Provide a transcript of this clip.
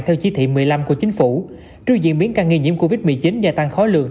theo chí thị một mươi năm của chính phủ trước diễn biến ca nghi nhiễm covid một mươi chín gia tăng khói lượng